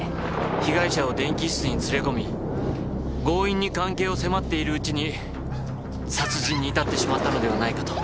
被害者を電気室に連れ込み強引に関係を迫っているうちに殺人に至ってしまったのではないかと。